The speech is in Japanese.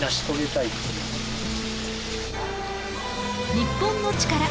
『日本のチカラ』